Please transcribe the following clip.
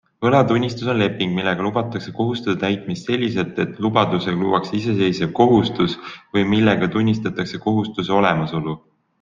Võlatunnistus on leping, millega lubatakse kohustuse täitmist selliselt, et lubadusega luuakse iseseisev kohustus või millega tunnistatakse kohustuse olemasolu.